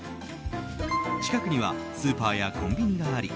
近くにはスーパーやコンビニがあり